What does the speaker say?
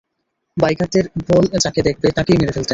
বাইকারদের বল যাকে দেখবে তাকেই মেরে ফেলতে।